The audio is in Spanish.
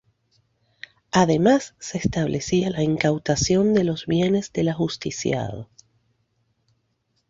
Además se establecía la incautación de los bienes del ajusticiado.